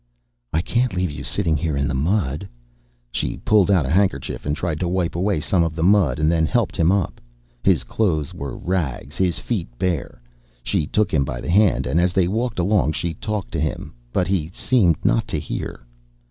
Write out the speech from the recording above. "I can't leave you sitting here in the mud!" She pulled out a handkerchief and tried to wipe away some of the mud and then helped him up. His clothes were rags, his feet bare. She took him by the hand and as they walked along she talked to him. But he seemed not to hear.